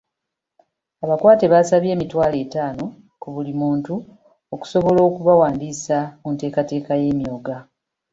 Abakwate basabye emitwalo etaano ku buli muntu okusobola okubawandiisa mu nteekateeka y'Emyooga.